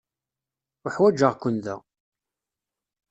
Uḥwaǧeɣ-ken da.